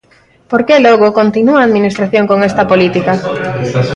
Por que, logo, continúa a administración con esta política?